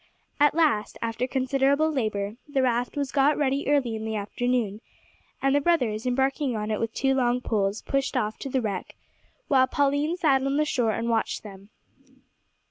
At last, after considerable labour, the raft was got ready early in the afternoon, and the brothers, embarking on it with two long poles, pushed off to the wreck while Pauline sat on the shore and watched them.